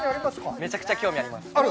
めちゃくちゃ興味あります。